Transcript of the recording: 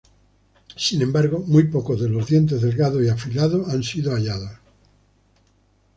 Sin embargo, muy pocos de los dientes delgados y afilados han sido hallados.